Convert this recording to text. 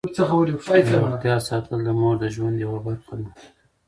د روغتیا ساتل د مور د ژوند یوه برخه ده.